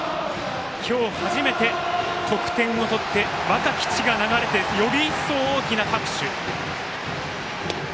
今日初めて得点を取って「若き血」が流れてより一層大きな拍手です。